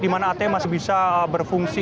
di mana at masih bisa berfungsi